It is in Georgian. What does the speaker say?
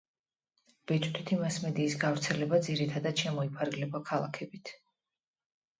ბეჭვდითი მასმედიის გავრცელება ძირითადად შემოიფარგლება ქალაქებით.